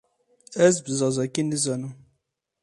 Ez bi zazakî nizanim.